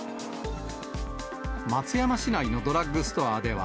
松山市内のドラッグストアでは、